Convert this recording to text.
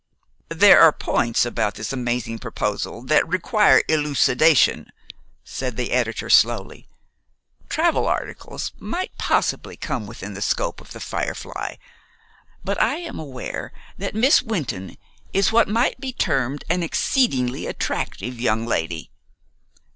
"There are points about this amazing proposal that require elucidation," said the editor slowly. "Travel articles might possibly come within the scope of 'The Firefly'; but I am aware that Miss Wynton is what might be termed an exceedingly attractive young lady.